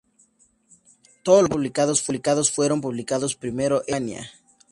Todos los libros son publicados fueron publicados primero en Alemania.